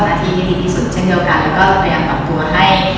แล้วถึงสุดท้ายแล้วโดยคือทีมบอลที่